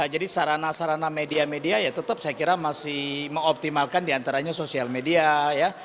jadi sarana sarana media media ya tetap saya kira masih mengoptimalkan diantaranya sosial media ya